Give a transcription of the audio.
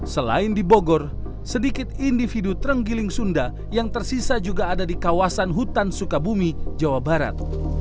selain di bogor sedikit individu terenggiling sunda yang tersisa juga ada di kawasan hutan sukabumi jawa barat